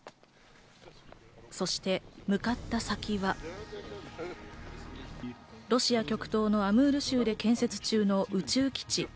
そして向かった先は、ロシア極東のアムール州で建設中の宇宙基地。